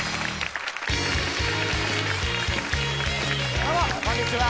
どうもこんにちは。